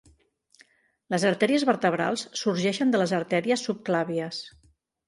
Les artèries vertebrals sorgeixen de les artèries subclàvies.